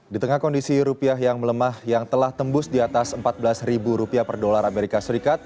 di tengah kondisi rupiah yang melemah yang telah tembus di atas empat belas rupiah per dolar amerika serikat